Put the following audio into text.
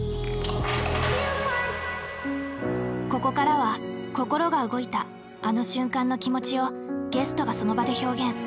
ここからは心が動いたあの瞬間の気持ちをゲストがその場で表現。